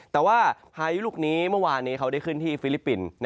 แต่ว่าพายุลูกนี้เมื่อวานนี้เขาได้ขึ้นที่ฟิลิปปินส์